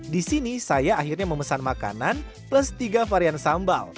di sini saya akhirnya memesan makanan plus tiga varian sambal